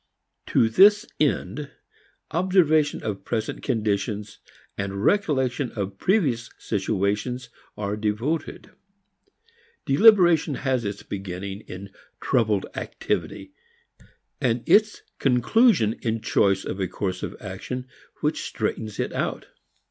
To this end observation of present conditions, recollection of previous situations are devoted. Deliberation has its beginning in troubled activity and its conclusion in choice of a course of action which straightens it out.